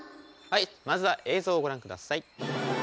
はいまずは映像をご覧ください。